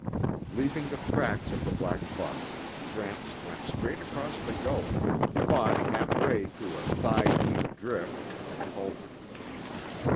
Leaving the tracks of the black buck, Gramps went straight across the gully, fought halfway through a thigh deep drift and halted.